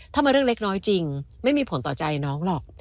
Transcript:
ถ้ามันเรื่องเล็กน้อยจริงไม่มีผลต่อใจน้องหรอก